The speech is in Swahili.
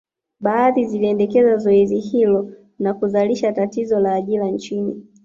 Baadhi zikiendeleza zoezi hilo na kuzalisha tatizo la ajira nchini